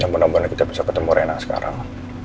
ya ampun ampun kita bisa ketemu rena sekarang